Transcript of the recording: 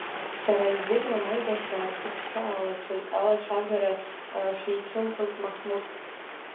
Сара издыруан, аибашьра аҭыӡшәа алацәажәара шицәымӷыз Маҳмуҭ.